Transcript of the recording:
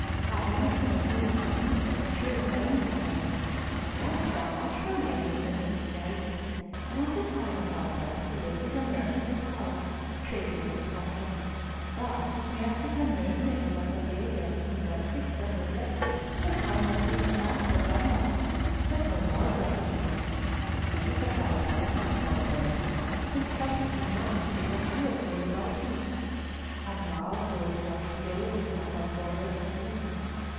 That Langston of whom you speak was a true friend of mine. He has done much for me under many disguises, and at the time of thy birth he lived as a merchant at Hull, trading with Scotland. Thus it may have become known to him that the babe he had seen rescued from the wreck was one who had been embarked at Dunbar. But no more doth he know. The secret of thy birth, my poor bairn, was entrusted to none save a few of those about me, and all of those who are still living thou hast already seen.